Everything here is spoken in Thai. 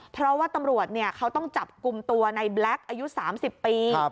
เพราะว่าตำรวจเขาต้องจับกลุ่มตัวในแบล็คอายุ๓๐ปี